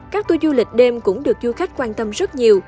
các tour du lịch đêm cũng được du khách quan tâm rất nhiều